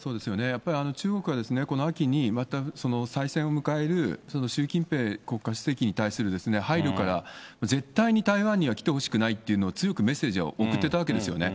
やっぱり中国はこの秋に、また再選を迎える習近平国家主席に対する配慮から、絶対に台湾には来てほしくないっていうのを、強くメッセージを送っていたわけですよね。